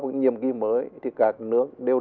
một nhiệm kỳ mới thì cả nước đều